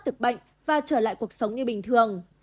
thực bệnh và trở lại cuộc sống như bình thường